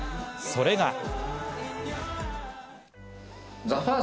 それが。